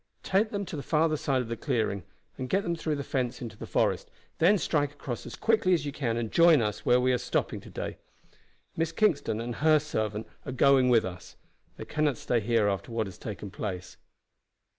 Take them to the farther side of the clearing and get them through the fence into the forest, then strike across as quickly as you can and join us where we were stopping to day. Miss Kingston and her servant are going with us. They cannot stay here after what has taken place."